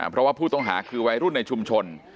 เพราะว่าผู้ต้องหาคือวัยรุ่นในชุมชน